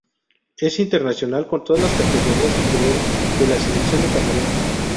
Es internacional con todas las categorías inferiores de la Selección de Camerún.